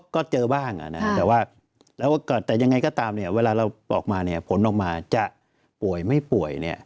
ก็เจอบ้างแต่ยังไงก็ตามเวลาเราออกมาผลออกมาจะป่วยไม่ป่วย